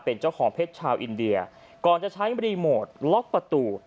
เป็นเจ้าของเพชรชาวอินเดียก่อนจะใช้รีโมทล็อกประตู